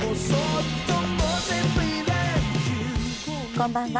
こんばんは。